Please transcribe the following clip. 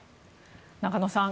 中野さん